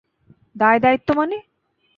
দায় দায়িত্ব মানে?